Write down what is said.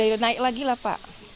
jauh lebih naik lagi lah pak